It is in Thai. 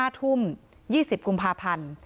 ๕ทุ่ม๒๐กุมภาพันธ์